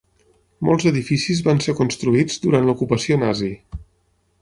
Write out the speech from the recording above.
Molts edificis van ser construïts durant l'ocupació nazi.